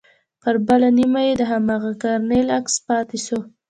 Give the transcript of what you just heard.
پر بله نيمه يې د هماغه کرنيل عکس پاته سو.